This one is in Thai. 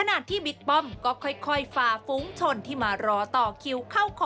นี่ส่วนหลังไม่ต้องล่ัง